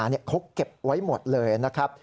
เขาเก็บไว้หมดเลยนะครับ